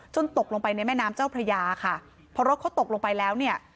ตกลงไปในแม่น้ำเจ้าพระยาค่ะพอรถเขาตกลงไปแล้วเนี่ย